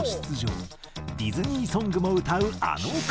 ディズニーソングも歌うあの方。